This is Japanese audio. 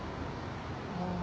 ああ。